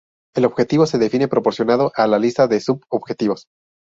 El objetivo se define proporcionando la lista de sub-objetivos.